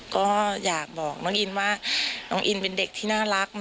ก็อยากบอกน้องอินว่าน้องอินเป็นเด็กที่น่ารักมาก